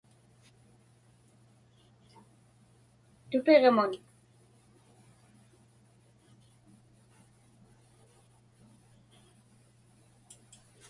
tupiġmun